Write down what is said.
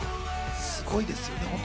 すごいですよ、本当。